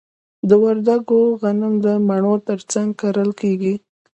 د وردګو غنم د مڼو ترڅنګ کرل کیږي.